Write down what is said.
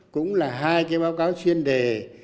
cũng là hai cái báo cáo chuyên đề